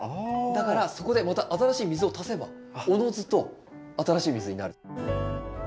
だからそこでまた新しい水を足せばおのずと新しい水になる。